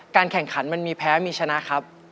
แข่งขันมันมีแพ้มีชนะครับ